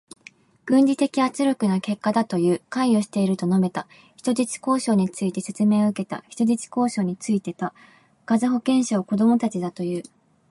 軍事的圧力の結果だという。関与していると述べた。人質交渉について説明を受けた。人質交渉についてた。ガザ保健省、子どもたちだという。